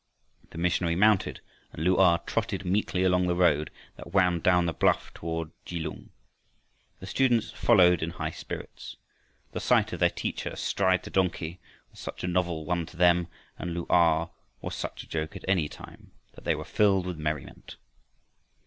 The missionary mounted, and Lu a trotted meekly along the road that wound down the bluff toward Kelung. The students followed in high spirits. The sight of their teacher astride the donkey was such a novel one to them, and Lu a was such a joke at any time, that they were filled with merriment.